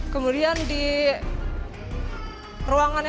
kemudian di ruangannya